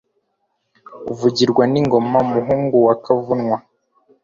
Uvugirwa n'ingoma, Muhungu wa Kavunwa,